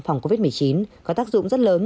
phòng covid một mươi chín có tác dụng rất lớn